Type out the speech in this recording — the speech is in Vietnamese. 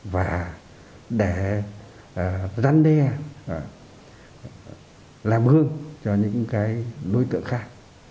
và để răn đe làm gương cho những cái đối tượng khác